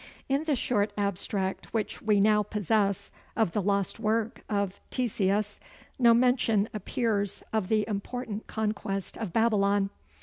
In the short abstract which we now possess of the lost work of Ctesias, no mention appears of the important conquest of Babylon.